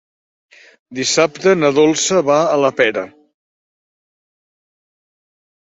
Dissabte na Dolça va a la Pera.